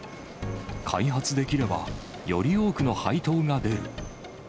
開発できれば、より多くの配当が出る。